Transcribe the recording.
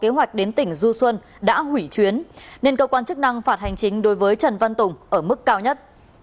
kế hoạch đến tỉnh du xuân đã hủy chuyến nên cơ quan chức năng phạt hành chính đối với trần văn tùng ở mức cao nhất